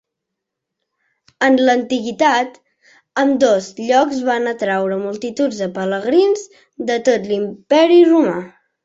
En l'antiguitat, ambdós llocs van atraure multituds de pelegrins de tot l'Imperi Romà.